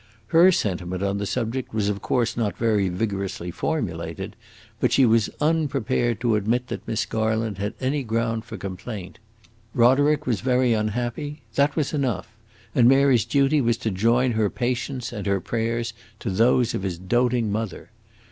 Her sentiment on the subject was of course not very vigorously formulated, but she was unprepared to admit that Miss Garland had any ground for complaint. Roderick was very unhappy; that was enough, and Mary's duty was to join her patience and her prayers to those of his doting mother.